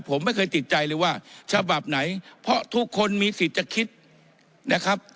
ผมไม่เคยติดใจเลยว่าฉบับไหนเพราะทุกคนมีสิทธิ์จะคิดนะครับ